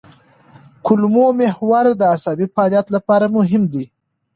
کولمو محور د عصبي فعالیت لپاره مهم دی.